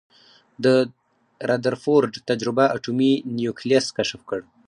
د ردرفورډ تجربه اټومي نیوکلیس کشف کړ.